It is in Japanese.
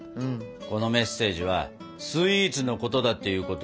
このメッセージはスイーツのことだっていうことはね。